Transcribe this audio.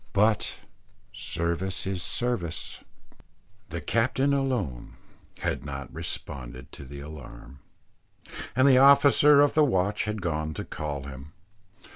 But service is service the captain alone has not responded to the alarm, and the officer of the watch has gone to call him.